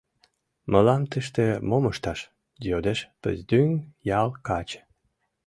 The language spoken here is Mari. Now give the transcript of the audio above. — Мылам тыште мом ышташ? — йодеш Пыздӱҥ ял каче.